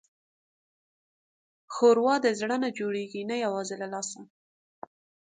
ښوروا د زړه نه جوړېږي، نه یوازې له لاسه.